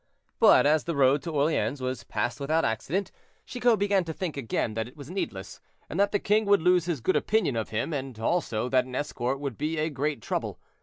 But as the road to Orleans was passed without accident, Chicot began to think again that it was needless, and that the king would lose his good opinion of him, and also that an escort would be a great trouble.